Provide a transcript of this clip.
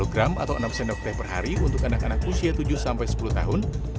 sepuluh gram atau enam sendok teh per hari untuk anak anak usia tujuh sampai sepuluh tahun